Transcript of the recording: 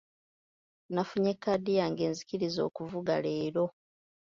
Nafunye kaadi yange enzikiriza okuvuga leero.